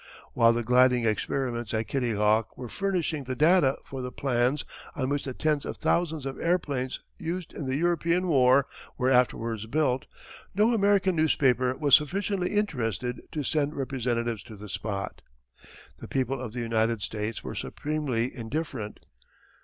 While the gliding experiments at Kitty Hawk were furnishing the data for the plans on which the tens of thousands of airplanes used in the European war were afterwards built, no American newspaper was sufficiently interested to send representatives to the spot. The people of the United States were supremely indifferent.